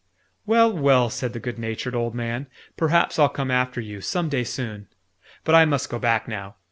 "Well, well!" said the good natured old man. "Perhaps I'll come after you, some day soon. But I must go back now.